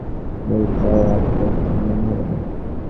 এঁর বেলা সেরকম মনে হল না।